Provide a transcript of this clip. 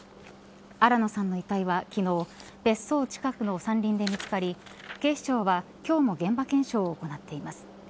新野さんの遺体は昨日別荘近くの山林で見付かり警視庁は今日も現場検証を行っています。